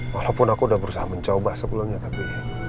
walaupun aku udah berusaha mencoba sebelumnya tapi